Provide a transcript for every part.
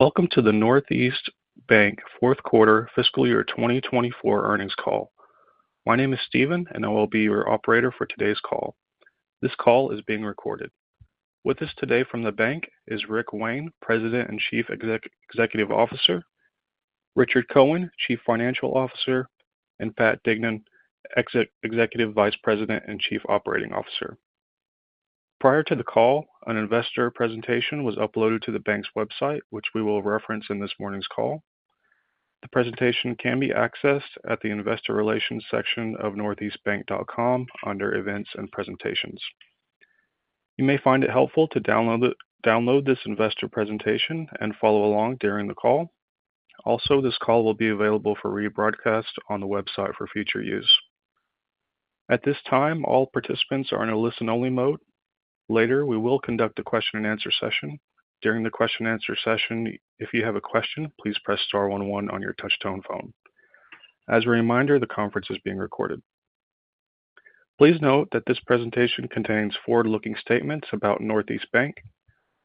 Welcome to the Northeast Bank fourth quarter fiscal year 2024 earnings call. My name is Steven, and I will be your operator for today's call. This call is being recorded. With us today from the bank is Rick Wayne, President and Chief Executive Officer, Richard Cohen, Chief Financial Officer, and Pat Dignan, Executive Vice President and Chief Operating Officer. Prior to the call, an investor presentation was uploaded to the bank's website, which we will reference in this morning's call. The presentation can be accessed at the Investor Relations section of northeastbank.com under Events and Presentations. You may find it helpful to download this investor presentation and follow along during the call. Also, this call will be available for rebroadcast on the website for future use. At this time, all participants are in a listen-only mode. Later, we will conduct a question-and-answer session. During the question-and-answer session, if you have a question, please press star 11 on your touch-tone phone. As a reminder, the conference is being recorded. Please note that this presentation contains forward-looking statements about Northeast Bank.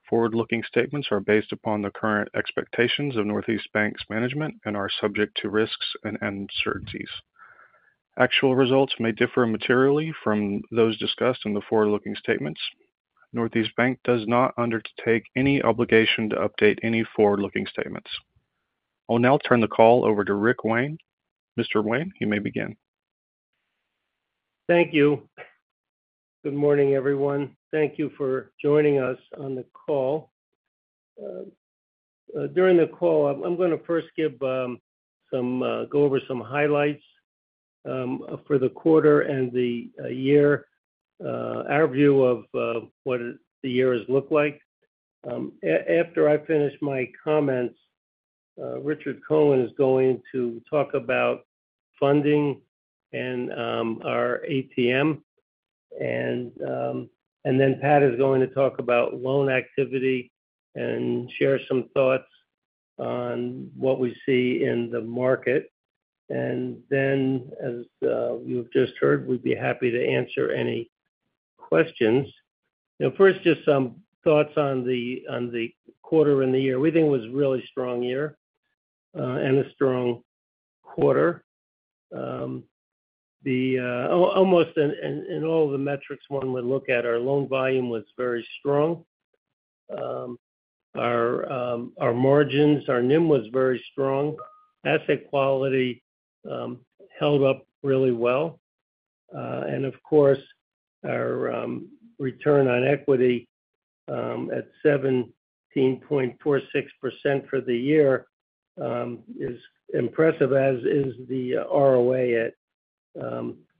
Forward-looking statements are based upon the current expectations of Northeast Bank's management and are subject to risks and uncertainties. Actual results may differ materially from those discussed in the forward-looking statements. Northeast Bank does not undertake any obligation to update any forward-looking statements. I'll now turn the call over to Rick Wayne. Mr. Wayne, you may begin. Thank you. Good morning, everyone. Thank you for joining us on the call. During the call, I'm going to first go over some highlights for the quarter and the year, our view of what the year has looked like. After I finish my comments, Richard Cohen is going to talk about funding and our ATM. And then Pat is going to talk about loan activity and share some thoughts on what we see in the market. And then, as you've just heard, we'd be happy to answer any questions. Now, first, just some thoughts on the quarter and the year. We think it was a really strong year and a strong quarter. Almost in all the metrics one would look at, our loan volume was very strong. Our margins, our NIM was very strong. Asset quality held up really well. Of course, our return on equity at 17.46% for the year is impressive, as is the ROA at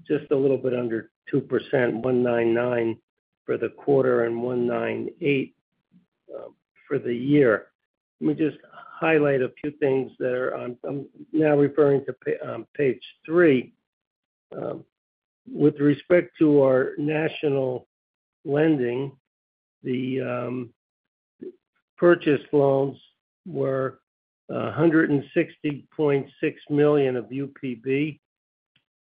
just a little bit under 2%, 1.99% for the quarter and 1.98% for the year. Let me just highlight a few things that are. I'm now referring to page three. With respect to our national lending, the purchase loans were $160.6 million of UPB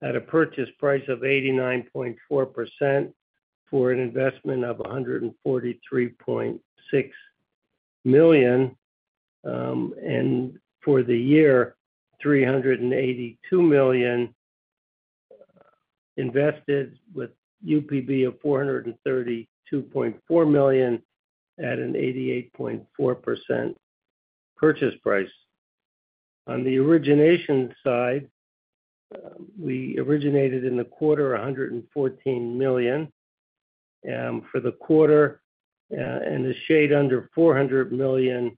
at a purchase price of 89.4% for an investment of $143.6 million. And for the year, $382 million invested with UPB of $432.4 million at an 88.4% purchase price. On the origination side, we originated in the quarter $114 million for the quarter and a shade under $400 million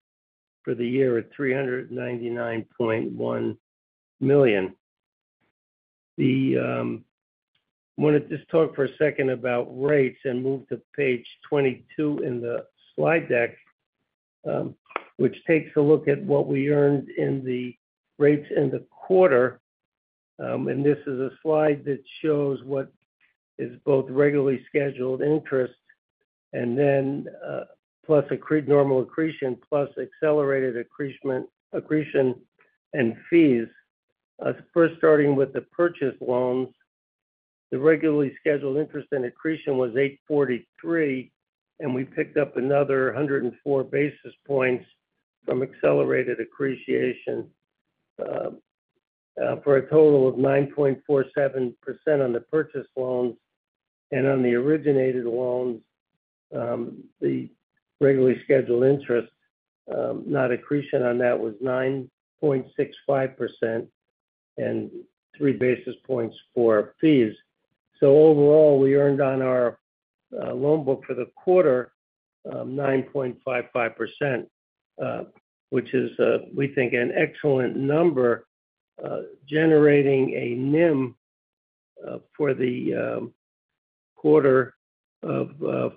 for the year at $399.1 million. I want to just talk for a second about rates and move to page 22 in the slide deck, which takes a look at what we earned in the rates in the quarter. This is a slide that shows what is both regularly scheduled interest and then plus normal accretion plus accelerated accretion and fees. First, starting with the purchase loans, the regularly scheduled interest and accretion was 8.43, and we picked up another 104 basis points from accelerated accretion for a total of 9.47% on the purchase loans. On the originated loans, the regularly scheduled interest, not accretion on that, was 9.65% and 3 basis points for fees. So overall, we earned on our loan book for the quarter 9.55%, which is, we think, an excellent number, generating a NIM for the quarter of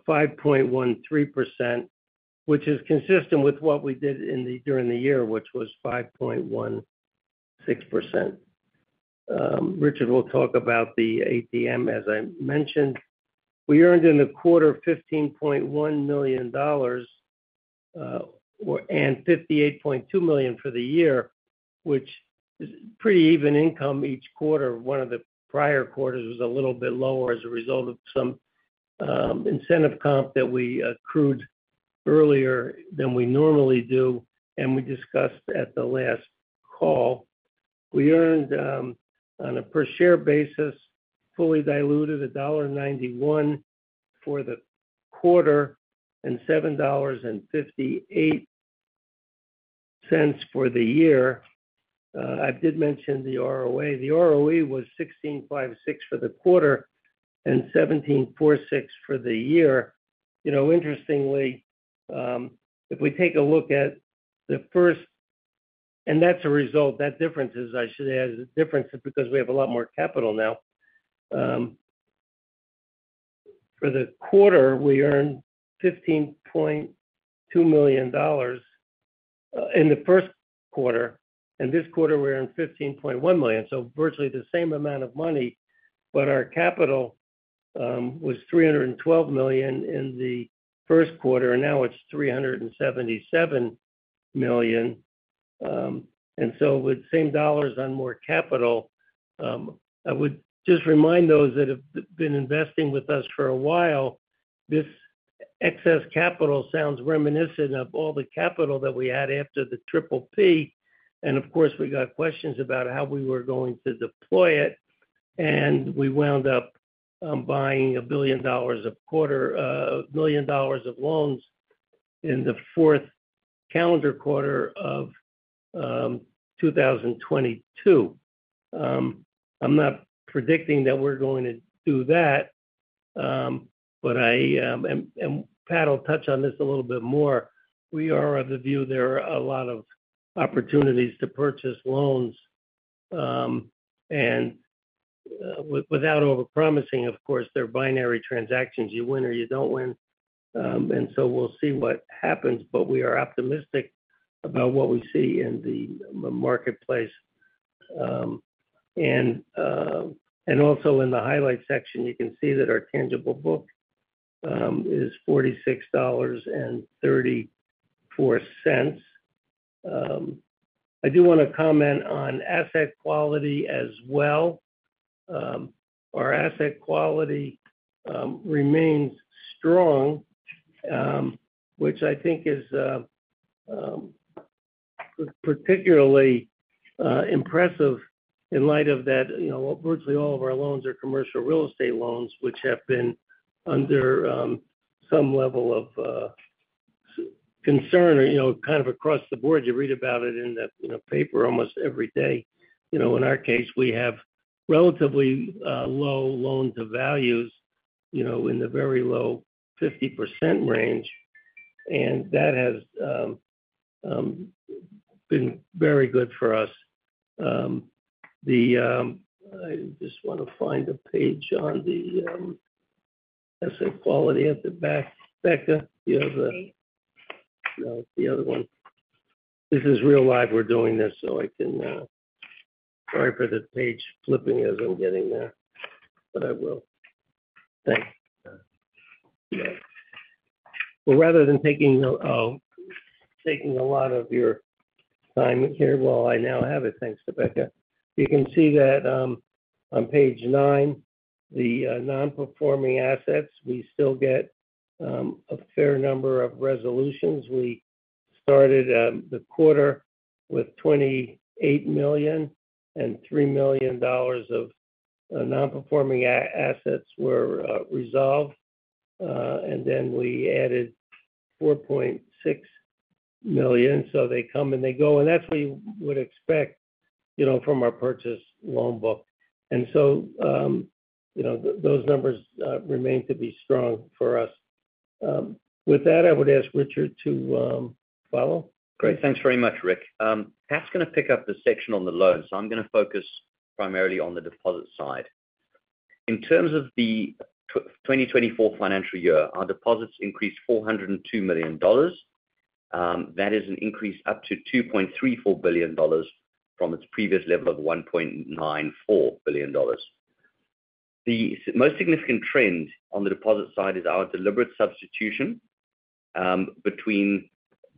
5.13%, which is consistent with what we did during the year, which was 5.16%. Richard will talk about the ATM, as I mentioned. We earned in the quarter $15.1 million and $58.2 million for the year, which is pretty even income each quarter. One of the prior quarters was a little bit lower as a result of some incentive comp that we accrued earlier than we normally do, and we discussed at the last call. We earned on a per-share basis, fully diluted, $1.91 for the quarter and $7.58 for the year. I did mention the ROA. The ROE was 16.56 for the quarter and 17.46 for the year. Interestingly, if we take a look at the first, and that's a result. That difference is, I should add, a difference because we have a lot more capital now. For the quarter, we earned $15.2 million in the first quarter. And this quarter, we earned $15.1 million, so virtually the same amount of money. But our capital was $312 million in the first quarter, and now it's $377 million. With the same dollars on more capital, I would just remind those that have been investing with us for a while, this excess capital sounds reminiscent of all the capital that we had after the triple P. Of course, we got questions about how we were going to deploy it. We wound up buying $1 billion of loans in the fourth calendar quarter of 2022. I'm not predicting that we're going to do that, and Pat will touch on this a little bit more. We are of the view there are a lot of opportunities to purchase loans. Without over-promising, of course, they're binary transactions. You win or you don't win. We'll see what happens, but we are optimistic about what we see in the marketplace. Also in the highlight section, you can see that our tangible book is $46.34. I do want to comment on asset quality as well. Our asset quality remains strong, which I think is particularly impressive in light of that virtually all of our loans are commercial real estate loans, which have been under some level of concern or kind of across the board. You read about it in the paper almost every day. In our case, we have relatively low loan-to-values in the very low 50% range, and that has been very good for us. I just want to find a page on the asset quality at the back. Becca, you have the, no, the other one. This is real live. We're doing this, so I can, sorry for the page flipping as I'm getting there, but I will. Thanks. Well, rather than taking a lot of your time here, well, I now have it. Thanks to Becca. You can see that on page 9, the non-performing assets. We still get a fair number of resolutions. We started the quarter with $28 million, and $3 million of non-performing assets were resolved. And then we added $4.6 million. So they come and they go, and that's what you would expect from our purchase loan book. And so those numbers remain to be strong for us. With that, I would ask Richard to follow. Great. Thanks very much, Rick. Pat's going to pick up the section on the loans, so I'm going to focus primarily on the deposit side. In terms of the 2024 financial year, our deposits increased $402 million. That is an increase up to $2.34 billion from its previous level of $1.94 billion. The most significant trend on the deposit side is our deliberate substitution between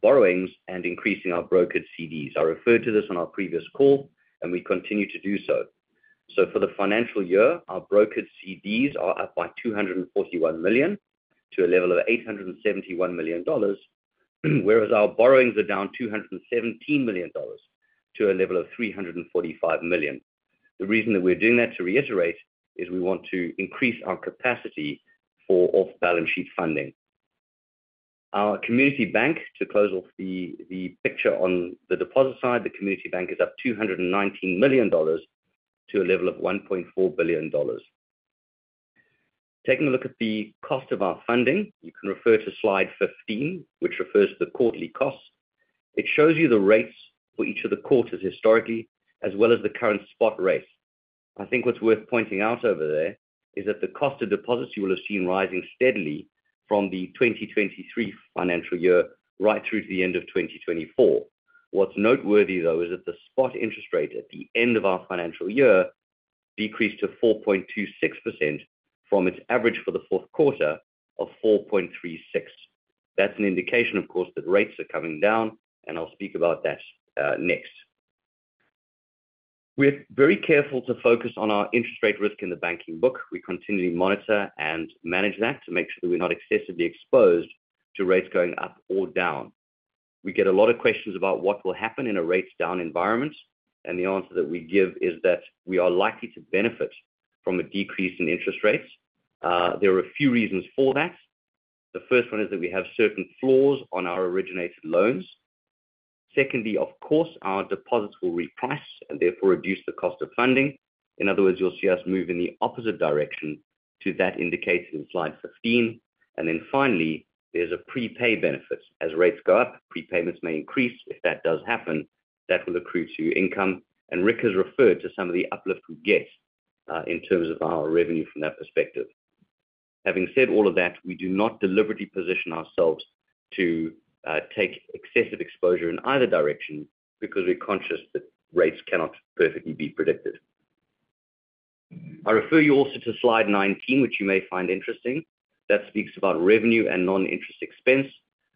borrowings and increasing our brokered CDs. I referred to this on our previous call, and we continue to do so. So for the financial year, our brokered CDs are up by $241 million to a level of $871 million, whereas our borrowings are down $217 million to a level of $345 million. The reason that we're doing that, to reiterate, is we want to increase our capacity for off-balance sheet funding. Our community bank, to close off the picture on the deposit side, the community bank is up $219 million to a level of $1.4 billion. Taking a look at the cost of our funding, you can refer to slide 15, which refers to the quarterly costs. It shows you the rates for each of the quarters historically, as well as the current spot rates. I think what's worth pointing out over there is that the cost of deposits you will have seen rising steadily from the 2023 financial year right through to the end of 2024. What's noteworthy, though, is that the spot interest rate at the end of our financial year decreased to 4.26% from its average for the fourth quarter of 4.36%. That's an indication, of course, that rates are coming down, and I'll speak about that next. We're very careful to focus on our interest rate risk in the banking book. We continually monitor and manage that to make sure that we're not excessively exposed to rates going up or down. We get a lot of questions about what will happen in a rates-down environment, and the answer that we give is that we are likely to benefit from a decrease in interest rates. There are a few reasons for that. The first one is that we have certain floors on our originated loans. Secondly, of course, our deposits will reprice and therefore reduce the cost of funding. In other words, you'll see us move in the opposite direction to that indicated in slide 15. And then finally, there's a prepay benefit. As rates go up, prepayments may increase. If that does happen, that will accrue to income. Rick has referred to some of the uplift we get in terms of our revenue from that perspective. Having said all of that, we do not deliberately position ourselves to take excessive exposure in either direction because we're conscious that rates cannot perfectly be predicted. I refer you also to slide 19, which you may find interesting. That speaks about revenue and non-interest expense.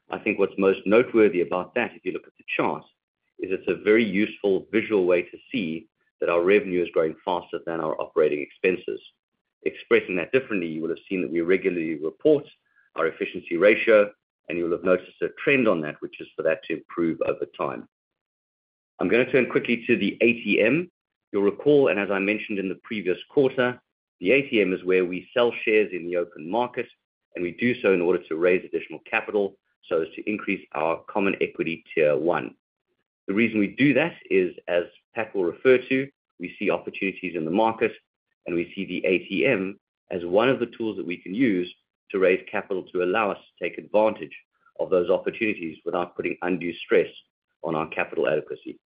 I think what's most noteworthy about that, if you look at the chart, is it's a very useful visual way to see that our revenue is growing faster than our operating expenses. Expressing that differently, you will have seen that we regularly report our efficiency ratio, and you will have noticed a trend on that, which is for that to improve over time. I'm going to turn quickly to the ATM. You'll recall, and as I mentioned in the previous quarter, the ATM is where we sell shares in the open market, and we do so in order to raise additional capital so as to increase our common equity tier one. The reason we do that is, as Pat will refer to, we see opportunities in the market, and we see the ATM as one of the tools that we can use to raise capital to allow us to take advantage of those opportunities without putting undue stress on our capital adequacy.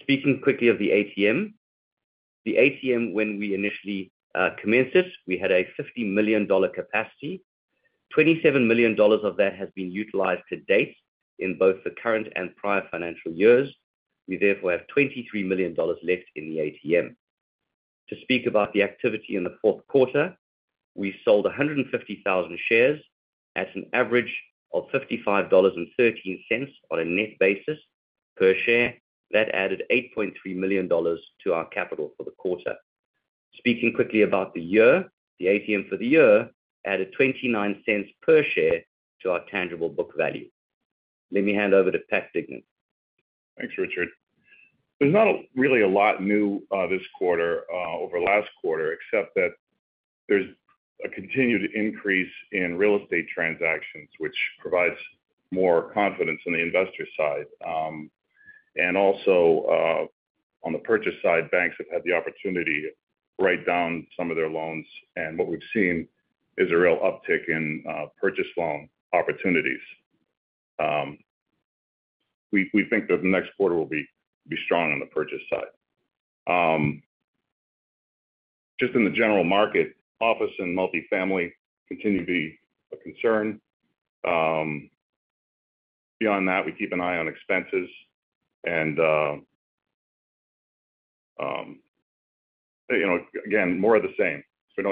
Speaking quickly of the ATM, the ATM, when we initially commenced it, we had a $50 million capacity. $27 million of that has been utilized to date in both the current and prior financial years. We therefore have $23 million left in the ATM. To speak about the activity in the fourth quarter, we sold 150,000 shares at an average of $55.13 on a net basis per share. That added $8.3 million to our capital for the quarter. Speaking quickly about the year, the ATM for the year added $0.29 per share to our tangible book value. Let me hand over to Pat Dignan. Thanks, Richard. There's not really a lot new this quarter over last quarter, except that there's a continued increase in real estate transactions, which provides more confidence on the investor side. Also on the purchase side, banks have had the opportunity to write down some of their loans. What we've seen is a real uptick in purchase loan opportunities. We think that the next quarter will be strong on the purchase side. Just in the general market, office and multifamily continue to be a concern. Beyond that, we keep an eye on expenses. Again, more of the same. We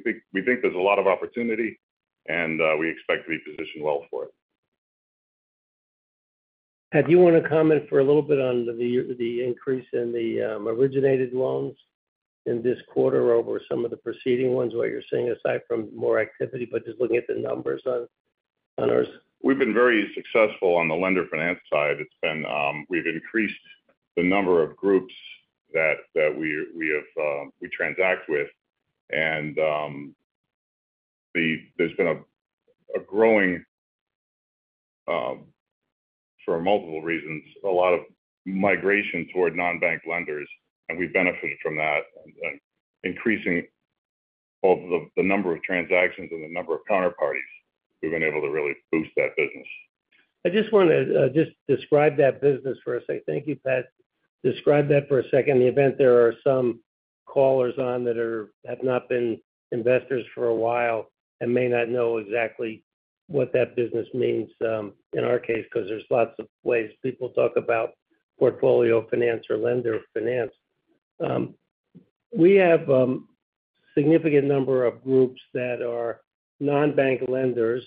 think there's a lot of opportunity, and we expect to be positioned well for it. Pat, do you want to comment for a little bit on the increase in the originated loans in this quarter over some of the preceding ones, what you're seeing aside from more activity, but just looking at the numbers on ours? We've been very successful on the lender finance side. We've increased the number of groups that we transact with. There's been a growing, for multiple reasons, a lot of migration toward non-bank lenders, and we've benefited from that. Increasing the number of transactions and the number of counterparties, we've been able to really boost that business. I just want to just describe that business for a second. Thank you, Pat. Describe that for a second, in the event there are some callers on that have not been investors for a while and may not know exactly what that business means in our case, because there's lots of ways people talk about portfolio finance or lender finance. We have a significant number of groups that are non-bank lenders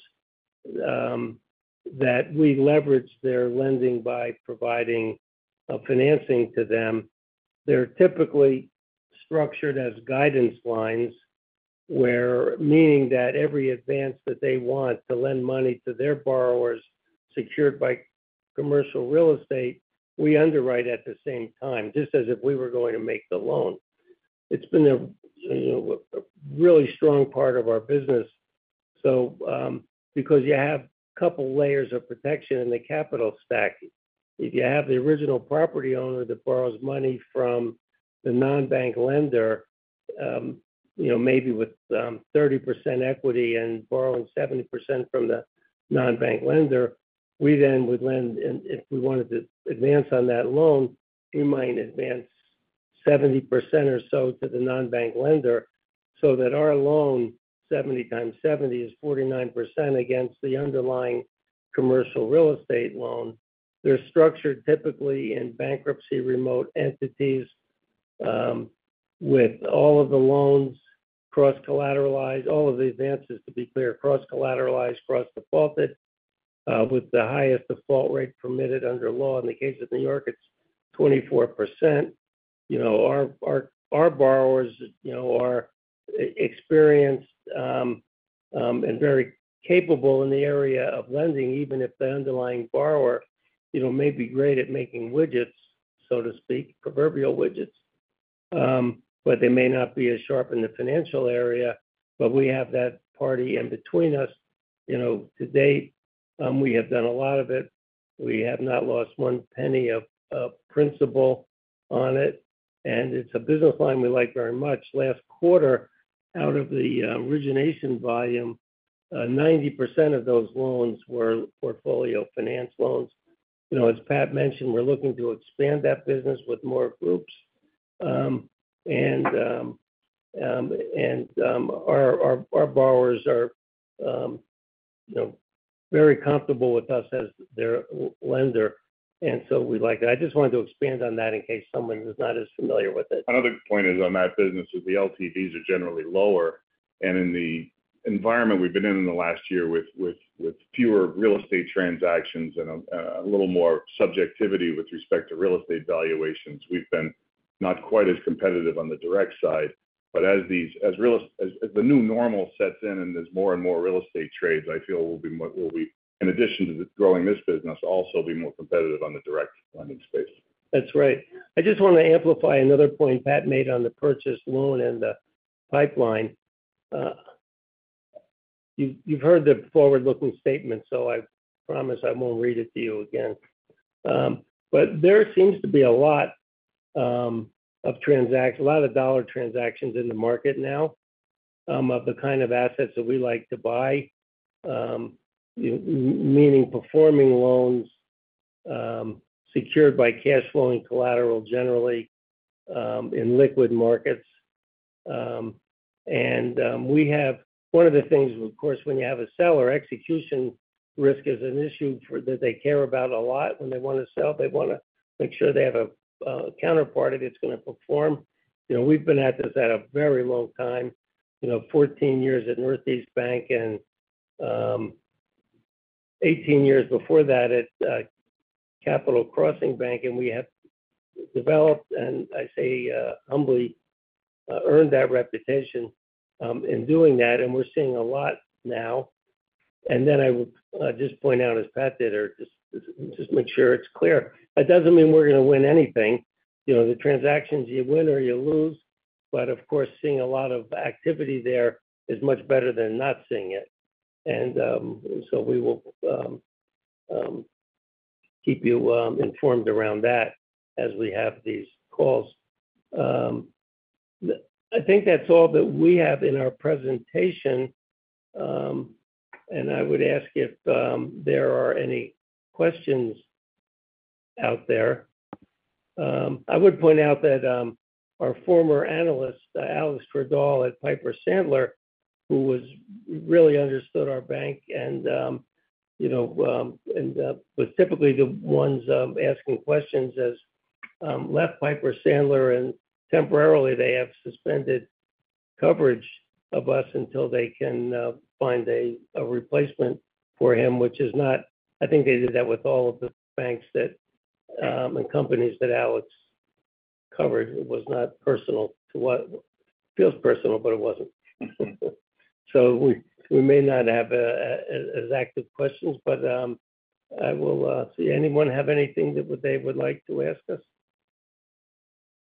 that we leverage their lending by providing financing to them. They're typically structured as guidance lines, meaning that every advance that they want to lend money to their borrowers secured by commercial real estate, we underwrite at the same time, just as if we were going to make the loan. It's been a really strong part of our business because you have a couple layers of protection in the capital stack. If you have the original property owner that borrows money from the non-bank lender, maybe with 30% equity and borrowing 70% from the non-bank lender, we then would lend, and if we wanted to advance on that loan, we might advance 70% or so to the non-bank lender so that our loan, 70 × 70, is 49% against the underlying commercial real estate loan. They're structured typically in bankruptcy remote entities with all of the loans cross-collateralized, all of the advances, to be clear, cross-collateralized, cross-defaulted with the highest default rate permitted under law. In the case of New York, it's 24%. Our borrowers are experienced and very capable in the area of lending, even if the underlying borrower may be great at making widgets, so to speak, proverbial widgets, but they may not be as sharp in the financial area. But we have that party in between us. To date, we have done a lot of it. We have not lost one penny of principal on it, and it's a business line we like very much. Last quarter, out of the origination volume, 90% of those loans were portfolio finance loans. As Pat mentioned, we're looking to expand that business with more groups. And our borrowers are very comfortable with us as their lender. And so we like that. I just wanted to expand on that in case someone is not as familiar with it. Another point is on that business is the LTVs are generally lower. In the environment we've been in in the last year with fewer real estate transactions and a little more subjectivity with respect to real estate valuations, we've been not quite as competitive on the direct side. But as the new normal sets in and there's more and more real estate trades, I feel we'll be, in addition to growing this business, also be more competitive on the direct lending space. That's right. I just want to amplify another point Pat made on the purchase loan and the pipeline. You've heard the forward-looking statement, so I promise I won't read it to you again. But there seems to be a lot of transactions, a lot of dollar transactions in the market now of the kind of assets that we like to buy, meaning performing loans secured by cash flow and collateral generally in liquid markets. And one of the things, of course, when you have a seller, execution risk is an issue that they care about a lot when they want to sell. They want to make sure they have a counterparty that's going to perform. We've been at this at a very long time, 14 years at Northeast Bank and 18 years before that at Capital Crossing Bank. And we have developed, and I say humbly, earned that reputation in doing that. And we're seeing a lot now. And then I would just point out, as Pat did, or just make sure it's clear, that doesn't mean we're going to win anything. The transactions, you win or you lose. But of course, seeing a lot of activity there is much better than not seeing it. And so we will keep you informed around that as we have these calls. I think that's all that we have in our presentation. And I would ask if there are any questions out there. I would point out that our former analyst, Alex Twerdahl at Piper Sandler, who really understood our bank and was typically the ones asking questions, has left Piper Sandler, and temporarily they have suspended coverage of us until they can find a replacement for him, which is not. I think they did that with all of the banks and companies that Alex covered. It was not personal to what feels personal, but it wasn't. So we may not have as active questions, but I will see. Anyone have anything that they would like to ask us?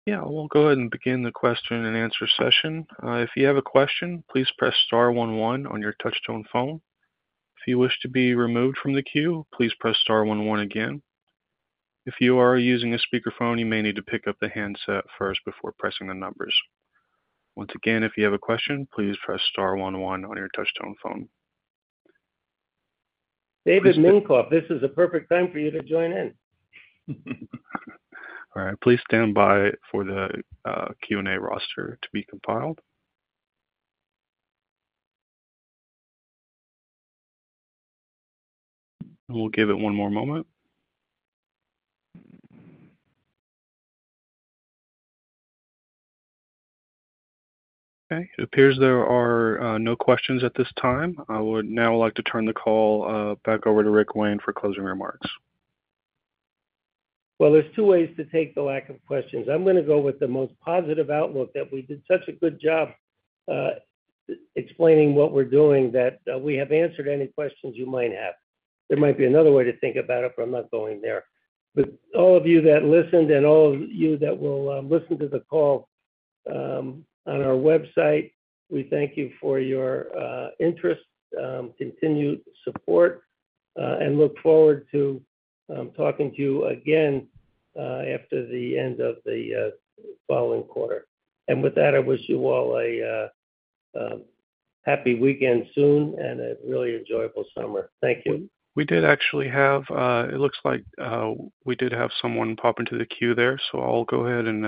Yeah, we'll go ahead and begin the question and answer session. If you have a question, please press star 11 on your touch-tone phone. If you wish to be removed from the queue, please press star 11 again. If you are using a speakerphone, you may need to pick up the handset first before pressing the numbers. Once again, if you have a question, please press star 11 on your touch-tone phone. David Minkoff, this is a perfect time for you to join in. All right. Please stand by for the Q&A roster to be compiled. We'll give it one more moment. Okay. It appears there are no questions at this time. I would now like to turn the call back over to Rick Wayne for closing remarks. Well, there's two ways to take the lack of questions. I'm going to go with the most positive outlook that we did such a good job explaining what we're doing that we have answered any questions you might have. There might be another way to think about it, but I'm not going there. But all of you that listened and all of you that will listen to the call on our website, we thank you for your interest, continued support, and look forward to talking to you again after the end of the following quarter. And with that, I wish you all a happy weekend soon and a really enjoyable summer. Thank you. We did actually have, it looks like we did have someone pop into the queue there. So I'll go ahead and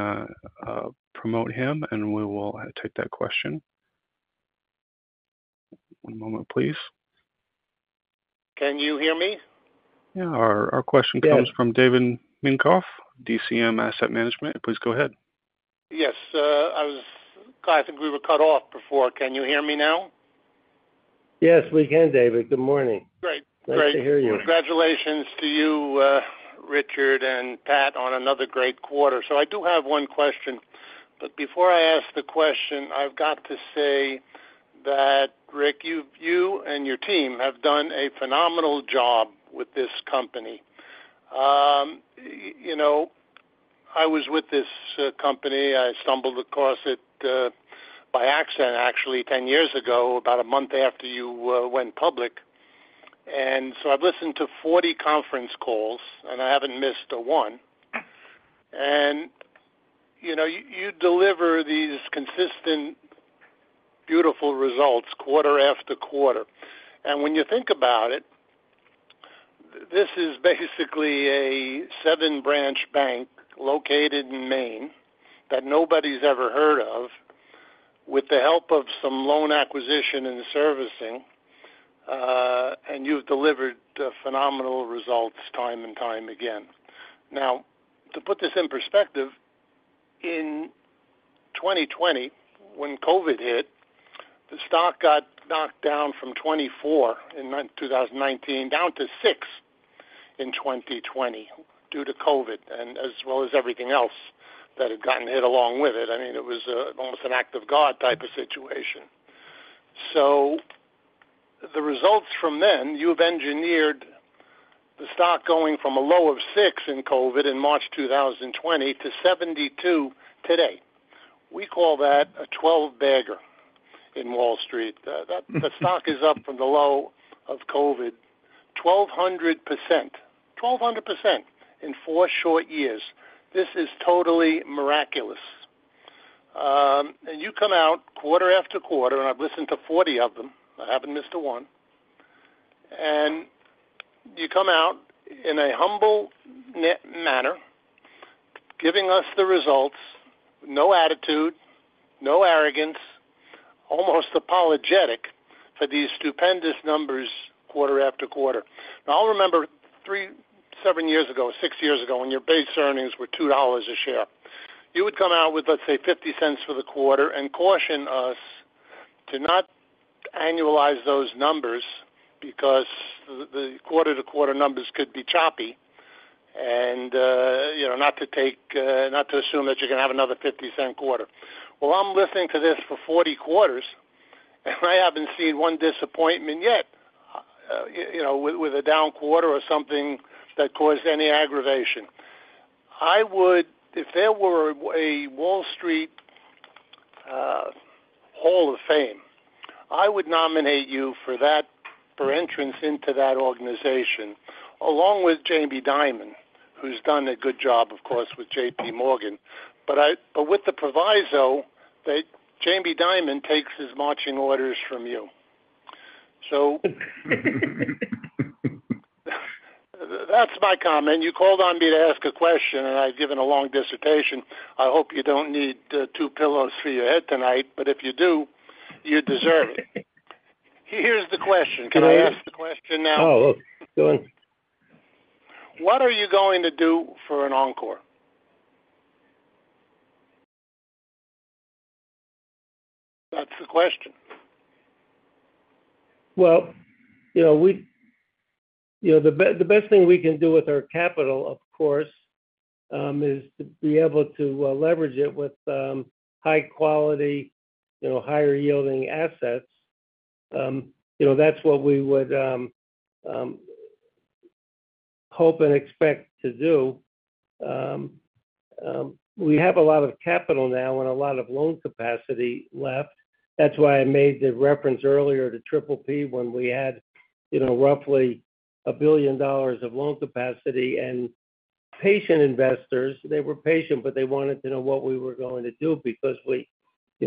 promote him, and we will take that question. One moment, please. Can you hear me? Yeah. Our question comes from David Minkoff, DCM Asset Management. Please go ahead. Yes. I think we were cut off before. Can you hear me now? Yes, we can, David. Good morning. Great. Thanks to hear you. Congratulations to you, Richard and Pat, on another great quarter. So I do have one question. But before I ask the question, I've got to say that, Rick, you and your team have done a phenomenal job with this company. I was with this company. I stumbled across it by accident, actually, 10 years ago, about a month after you went public. And so I've listened to 40 conference calls, and I haven't missed a one. And you deliver these consistent, beautiful results quarter after quarter. And when you think about it, this is basically a seven-branch bank located in Maine that nobody's ever heard of with the help of some loan acquisition and servicing. And you've delivered phenomenal results time and time again. Now, to put this in perspective, in 2020, when COVID hit, the stock got knocked down from 24 in 2019 down to 6 in 2020 due to COVID, and as well as everything else that had gotten hit along with it. I mean, it was almost an act of God type of situation. So the results from then, you've engineered the stock going from a low of 6 in COVID in March 2020 to 72 today. We call that a 12-bagger in Wall Street. The stock is up from the low of COVID 1,200%, 1,200% in 4 short years. This is totally miraculous. And you come out quarter after quarter, and I've listened to 40 of them. I haven't missed a one. And you come out in a humble manner, giving us the results, no attitude, no arrogance, almost apologetic for these stupendous numbers quarter after quarter. Now, I'll remember 7 years ago, 6 years ago, when your base earnings were $2 a share. You would come out with, let's say, $0.50 for the quarter and caution us to not annualize those numbers because the quarter-to-quarter numbers could be choppy and not to assume that you're going to have another $0.50 quarter. Well, I'm listening to this for 40 quarters, and I haven't seen one disappointment yet with a down quarter or something that caused any aggravation. If there were a Wall Street Hall of Fame, I would nominate you for entrance into that organization, along with Jamie Dimon, who's done a good job, of course, with JPMorgan. But with the proviso, Jamie Dimon takes his marching orders from you. So that's my comment. You called on me to ask a question, and I've given a long dissertation. I hope you don't need two pillows for your head tonight. But if you do, you deserve it. Here's the question. Can I ask the question now? Oh, go on. What are you going to do for an encore? That's the question. Well, the best thing we can do with our capital, of course, is to be able to leverage it with high-quality, higher-yielding assets. That's what we would hope and expect to do. We have a lot of capital now and a lot of loan capacity left. That's why I made the reference earlier to Triple P when we had roughly $1 billion of loan capacity. And patient investors, they were patient, but they wanted to know what we were going to do because we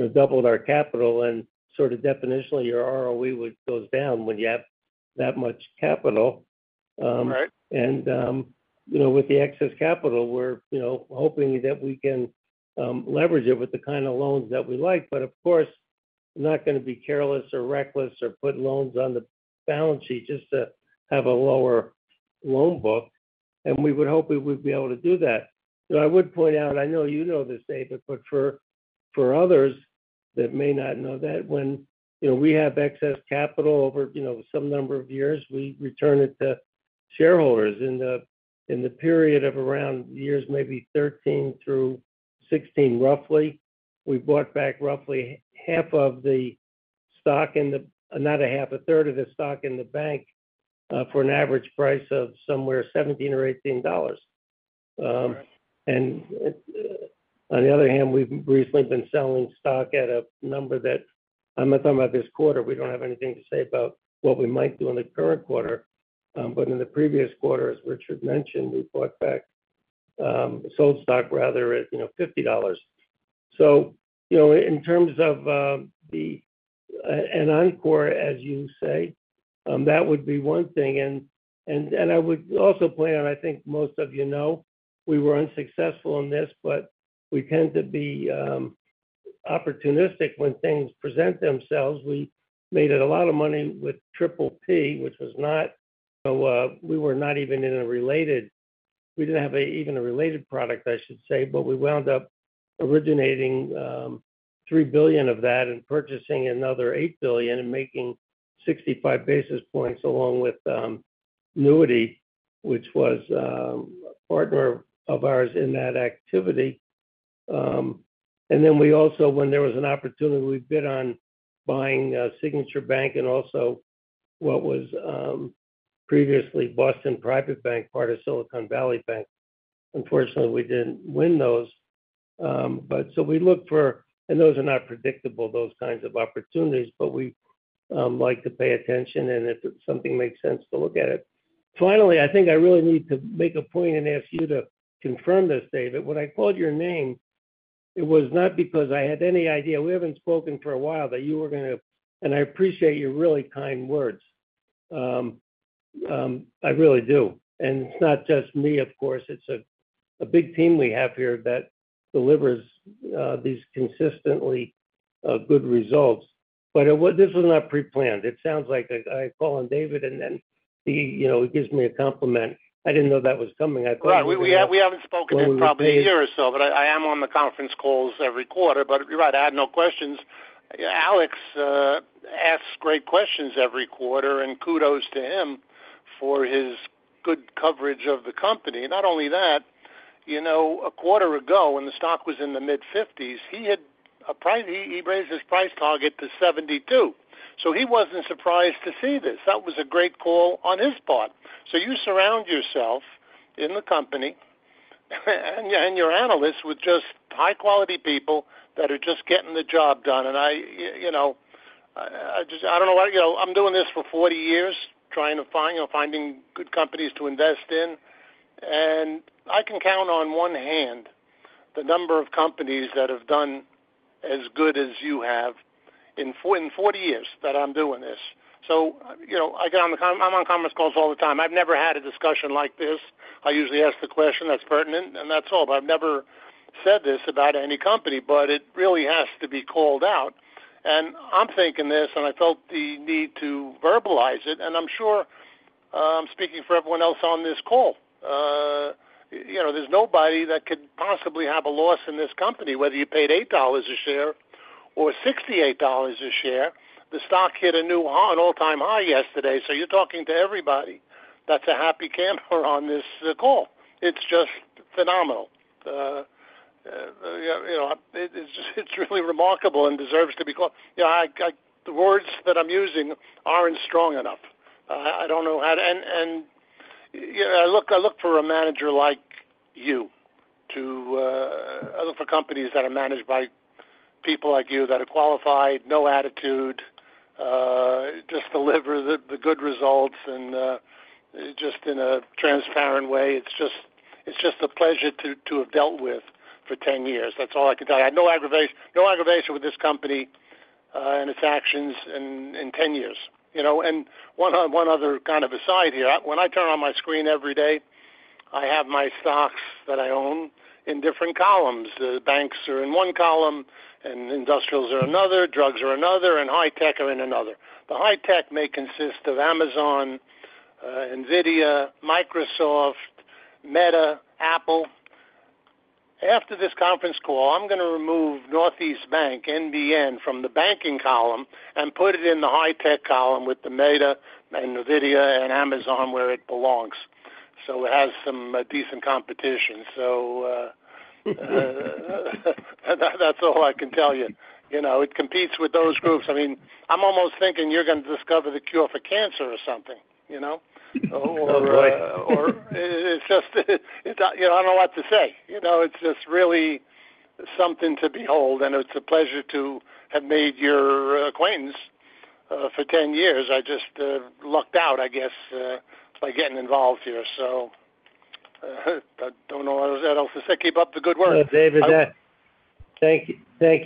doubled our capital. And sort of definitionally, your ROE goes down when you have that much capital. And with the excess capital, we're hoping that we can leverage it with the kind of loans that we like. But of course, we're not going to be careless or reckless or put loans on the balance sheet just to have a lower loan book. And we would hope we would be able to do that. I would point out, I know you know this, David, but for others that may not know that, when we have excess capital over some number of years, we return it to shareholders. In the period of around years, maybe 2013 through 2016, roughly, we bought back roughly half of the stock, not a half, a third of the stock in the bank for an average price of somewhere $17 or $18. And on the other hand, we've recently been selling stock at a number that I'm not talking about this quarter. We don't have anything to say about what we might do in the current quarter. But in the previous quarter, as Richard mentioned, we bought back, sold stock rather at $50. So in terms of an encore, as you say, that would be one thing. And I would also point out, I think most of you know, we were unsuccessful in this, but we tend to be opportunistic when things present themselves. We made a lot of money with Triple P, which was not – we were not even in a related – we didn't have even a related product, I should say, but we wound up originating $3 billion of that and purchasing another $8 billion and making 65 basis points along with Newtek, which was a partner of ours in that activity. And then we also, when there was an opportunity, we bid on buying Signature Bank and also what was previously Boston Private Bank, part of Silicon Valley Bank. Unfortunately, we didn't win those. But so we look for, and those are not predictable, those kinds of opportunities, but we like to pay attention and if something makes sense to look at it. Finally, I think I really need to make a point and ask you to confirm this, David. When I called your name, it was not because I had any idea. We haven't spoken for a while that you were going to, and I appreciate your really kind words. I really do. And it's not just me, of course. It's a big team we have here that delivers these consistently good results. But this was not pre-planned. It sounds like I call on David and then he gives me a compliment. I didn't know that was coming. I thought. Right. We haven't spoken in probably a year or so, but I am on the conference calls every quarter. But you're right. I had no questions. Alex asks great questions every quarter, and kudos to him for his good coverage of the company. Not only that, a quarter ago when the stock was in the mid-50s, he raised his price target to 72. So he wasn't surprised to see this. That was a great call on his part. So you surround yourself in the company and your analysts with just high-quality people that are just getting the job done. And I don't know why I'm doing this for 40 years, trying to find good companies to invest in. And I can count on one hand the number of companies that have done as good as you have in 40 years that I'm doing this. So I'm on conference calls all the time. I've never had a discussion like this. I usually ask the question that's pertinent, and that's all. But I've never said this about any company, but it really has to be called out. And I'm thinking this, and I felt the need to verbalize it. And I'm sure I'm speaking for everyone else on this call. There's nobody that could possibly have a loss in this company, whether you paid $8 a share or $68 a share. The stock hit an all-time high yesterday. So you're talking to everybody. That's a happy camper on this call. It's just phenomenal. It's really remarkable and deserves to be called. The words that I'm using aren't strong enough. I look for companies that are managed by people like you that are qualified, no attitude, just deliver the good results and just in a transparent way. It's just a pleasure to have dealt with for 10 years. That's all I can tell you. I have no aggravation with this company and its actions in 10 years. One other kind of aside here. When I turn on my screen every day, I have my stocks that I own in different columns. The banks are in one column, and industrials are another, drugs are another, and high-tech are in another. The high-tech may consist of Amazon, NVIDIA, Microsoft, Meta, Apple. After this conference call, I'm going to remove Northeast Bank, NBN, from the banking column and put it in the high-tech column with the Meta and NVIDIA and Amazon where it belongs. So it has some decent competition. So that's all I can tell you. It competes with those groups. I mean, I'm almost thinking you're going to discover the cure for cancer or something. Right. Or it's just, I don't know what to say. It's just really something to behold, and it's a pleasure to have made your acquaintance for 10 years. I just lucked out, I guess, by getting involved here. So I don't know what else to say. Keep up the good work. David, thank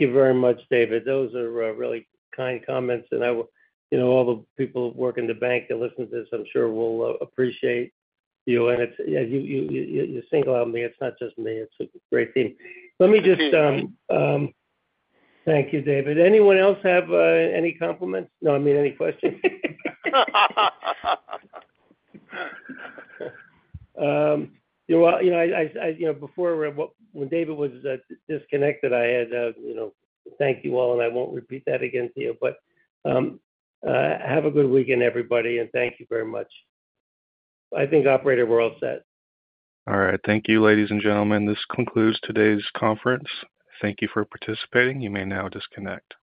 you very much, David. Those are really kind comments. And all the people working the bank that listen to this, I'm sure will appreciate you. And you single out me. It's not just me. It's a great team. Let me just thank you, David. Anyone else have any compliments? No, I mean, any questions? You're welcome. Before, when David was disconnected, I had to thank you all, and I won't repeat that again to you. But have a good weekend, everybody, and thank you very much. I think, operator, we're all set. All right. Thank you, ladies and gentlemen. This concludes today's conference. Thank you for participating. You may now disconnect.